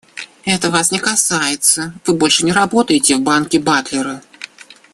Это вас не касается, вы больше не работаете в банке Батлера.